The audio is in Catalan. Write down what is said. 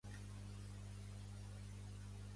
Ser un Benet.